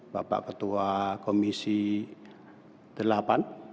bapak brentin seleran